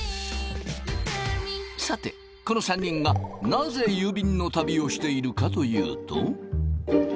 さてこの３人がなぜ郵便の旅をしているかというと？